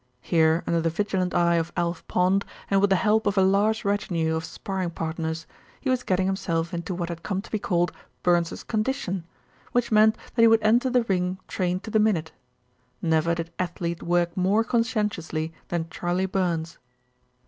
Here, under the vigilant eye of Alf Pond, and with the help of a large retinue of sparring partners, he was getting himself into what had come to be called "Burns's condition," which meant that he would enter the ring trained to the minute. Never did athlete work more conscientiously than Charley Burns.